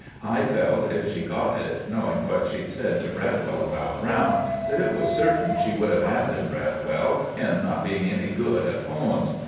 I felt if she got it, knowing what she'd said to Bradwell about Browne, that it was certin she would abbandon Bradwell, him not being any good at poems.